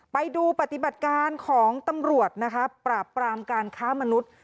ไปดูปฏิบัติการของตำรวจนะคะปราบปรามการค้ามนุษย์